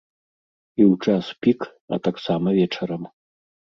І ў час пік, а таксама вечарам.